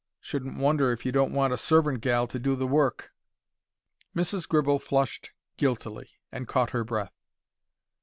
Shouldn't wonder if you don't want a servant gal to do the work." Mrs. Gribble flushed guiltily, and caught her breath.